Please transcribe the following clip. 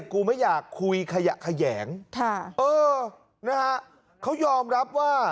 กูไม่อยากคุยขยะแขยงค่ะเออนะฮะเขายอมรับว่า